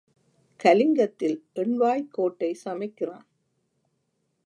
கலிங்கத்தில் எண்வாய்க் கோட்டை சமைக்கிறான்